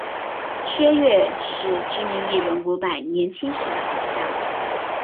薛岳是知名艺人伍佰年轻时的偶像。